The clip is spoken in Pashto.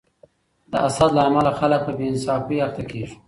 د حسد له امله خلک په بې انصافۍ اخته کیږي.